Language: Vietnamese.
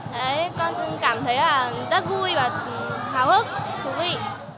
đấy con cũng cảm thấy rất vui và hào hức thú vị